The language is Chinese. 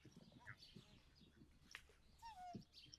本片取景于马来西亚热浪岛邻近的。